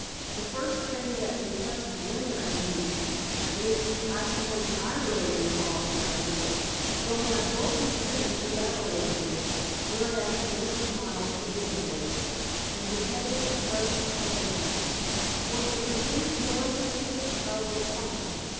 The first thing that impressed Winter and me—at least, I suppose I really evolved the idea, though my bulky friend elaborated it" (whereat Winter smiled forgivingly, and beheaded a fresh Havana) "was the complete noiselessness of the crime.